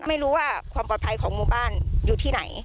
ไม่รู้ว่าความปลอดภัยของหมู่บ้านอยู่ที่ไหน